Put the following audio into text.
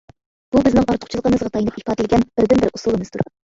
بۇ بىزنىڭ ئارتۇقچىلىقىمىزغا تايىنىپ ئىپادىلىگەن بىردىن بىر ئۇسۇلىمىزدۇر.